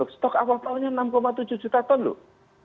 stok awal tahunnya enam tujuh juta ton loh